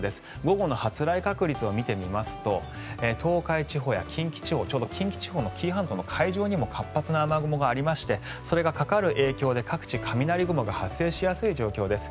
午後の発雷確率を見てみますと東海地方や近畿地方近畿地方の紀伊半島の海上にも活発な雨雲がありましてそれがかかる影響で各地、雷雲が発生しやすい状況です。